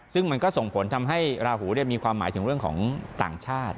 ซึ่งมันก็ส่งผลทำให้ราหูมีความหมายถึงเรื่องของต่างชาติ